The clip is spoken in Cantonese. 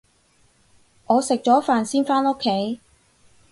我食咗飯先返屋企